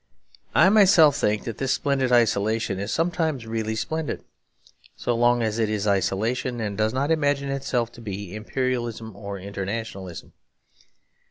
I myself think that this splendid isolation is sometimes really splendid; so long as it is isolation and does not imagine itself to be imperialism or internationalism.